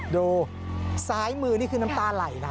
ดูซ้ายมือนี่คือน้ำตาไหลนะ